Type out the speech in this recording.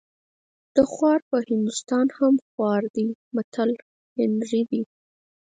د خوار په هندوستان هم خوار دی متل هنري دی